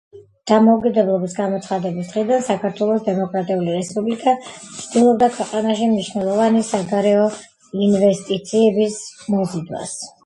დამოუკიდებლობის გამოცხადების დღიდან საქართველოს დემოკრატიული რესპუბლიკა ცდილობდა ქვეყანაში მნიშვნელოვანი საგარეო ინვესტიციების მოზიდვას.